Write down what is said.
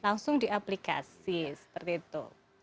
langsung diaplikasi seperti itu